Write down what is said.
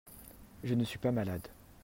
Je ne suis pas malade.